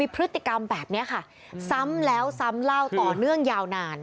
พฤติกรรมแบบนี้ค่ะซ้ำแล้วซ้ำเล่าต่อเนื่องยาวนาน